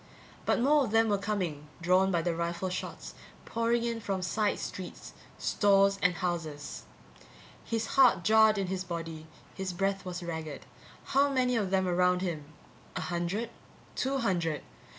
But more of them were coming, drawn by the rifle shots, pouring in from side streets, stores and houses. His heart jarred in his body, his breath was ragged. How many of them around him? A hundred? Two hundred?